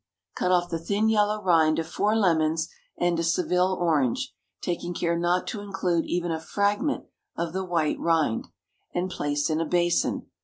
Cut off the thin yellow rind of four lemons and a Seville orange, taking care not to include even a fragment of the white rind, and place in a basin.